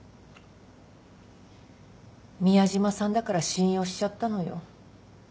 宮島さんだから信用しちゃったのよ。